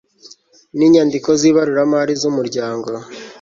n inyandiko z ibaruramari z umuryango